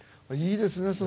いいですね